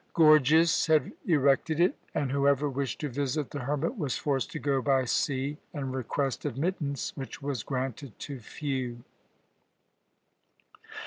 Gorgias had erected it, and whoever wished to visit the hermit was forced to go by sea and request admittance, which was granted to few.